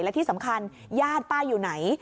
และที่สำคัญญาติป้าอยู่ไหน